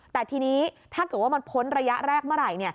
แต่ทีนี้ถ้าเกิดว่ามันพ้นระยะแรกเมื่อไหร่